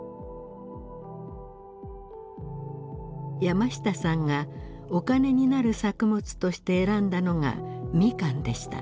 山下さんがお金になる作物として選んだのがミカンでした。